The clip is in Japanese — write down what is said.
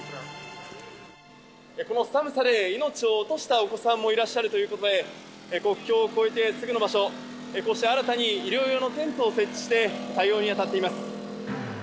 この寒さで命を落としたお子さんもいらっしゃるということで、国境を越えてすぐの場所、こうして新たに医療用のテントを設置して、対応に当たっています。